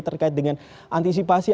terkait dengan antisipasi